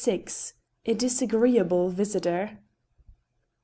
A DISAGREEABLE VISITOR.